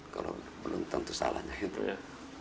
kalau belum tentu salahnya gitu ya